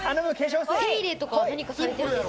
手入れとか何かされてるんですか？